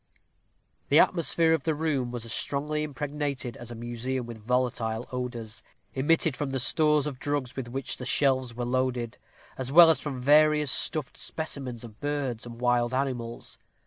The atmosphere of the room was as strongly impregnated as a museum with volatile odors, emitted from the stores of drugs with which the shelves were loaded, as well as from various stuffed specimens of birds and wild animals.